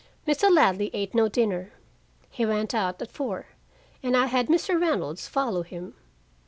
Mr. Ladley ate no dinner. He went out at four, and I had Mr. Reynolds follow him.